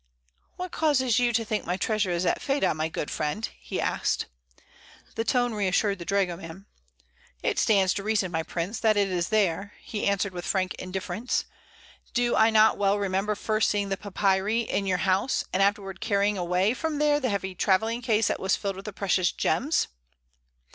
"What causes you to think my treasure is at Fedah, my good friend?" he asked. The tone reassured the dragoman. "It stands to reason, my prince, that it is there," he answered, with frank indifference. "Do I not well remember first seeing the papyri in your house, and afterward carrying away from there the heavy traveling case that was filled with precious gems?"